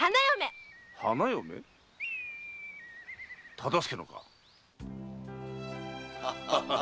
忠相のか？